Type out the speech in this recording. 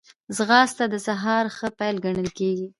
ځغاسته د سهار ښه پيل ګڼل کېږي